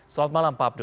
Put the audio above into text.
selamat malam pak abdul